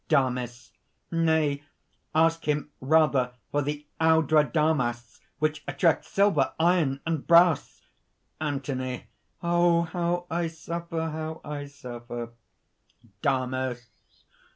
DAMIS "Nay; ask him rather for the audrodamas which attracts silver, iron and brass!" ANTHONY. "Oh! how I suffer! how I suffer!" DAMIS.